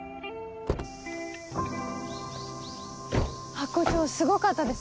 ハコ長すごかったです